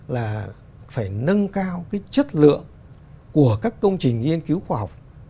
là phải nâng cao cái chất lượng của các công trình nghiên cứu khoa học